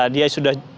dia sudah menyiapkan